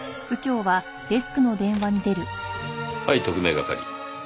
はい特命係。